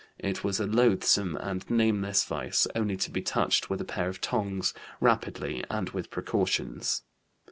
It was a loathsome and nameless vice, only to be touched with a pair of tongs, rapidly and with precautions.